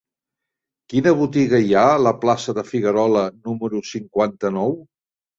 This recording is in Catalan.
Quina botiga hi ha a la plaça de Figuerola número cinquanta-nou?